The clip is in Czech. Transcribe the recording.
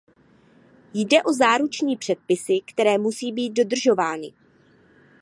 Jde o záruční předpisy, které musí být dodržovány.